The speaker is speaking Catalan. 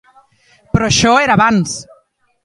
Però això era abans.